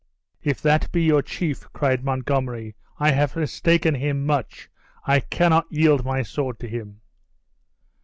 "If that be your chief," cried Montgomery, "I have mistaken him much I cannot yield my sword to him."